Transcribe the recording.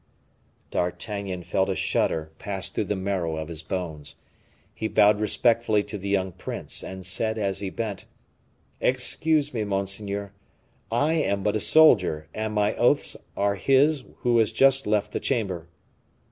D'Artagnan felt a shudder pass through the marrow of his bones. He bowed respectfully to the young prince, and said as he bent, "Excuse me, monseigneur, I am but a soldier, and my oaths are his who has just left the chamber."